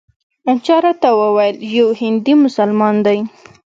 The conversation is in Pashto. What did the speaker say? چا راته وویل یو هندي مسلمان دی.